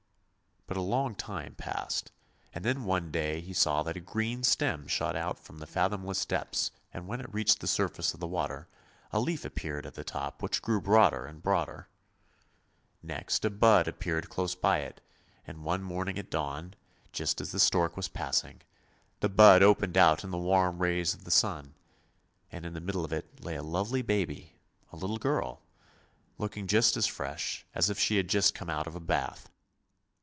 But a long time passed, and then one day he saw that a green stem shot up from the fathomless depths, and when it reached the surface of the water, a leaf appeared at the top which grew broader and broader. Next a bud appeared close by it, and one morning at dawn, just as the stork was passing, the bud opened out in the warm rays of the sun, and in the middle of it lay a lovely baby, a little girl, looking just as fresh as if she had just come out of a bath.